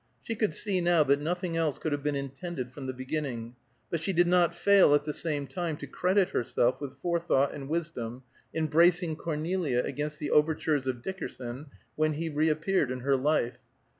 She could see, now, that nothing else could have been intended from the beginning, but she did not fail at the same time to credit herself with forethought and wisdom in bracing Cornelia against the overtures of Dickerson when he reappeared in her life.